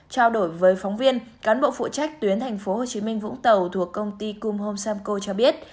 trao đổi với phóng viên cán bộ phụ trách tuyến tp hcm vũng tàu thuộc công ty cung home samco cho biết